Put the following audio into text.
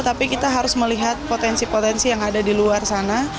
tapi kita harus melihat potensi potensi yang ada di luar sana